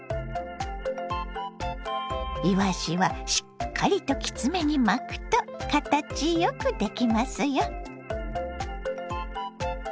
いわしはしっかりときつめに巻くと形よくできますよ。